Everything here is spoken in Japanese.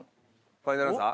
ファイナルアンサー。